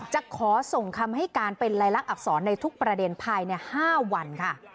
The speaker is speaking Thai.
จะขอส่งคำให้การเป็นลายลักษณอักษรในทุกประเด็นภายใน๕วันค่ะ